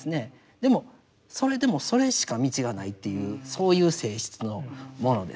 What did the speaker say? でもそれでもそれしか道がないというそういう性質のものですよね。